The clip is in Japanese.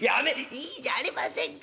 「いいじゃありませんか。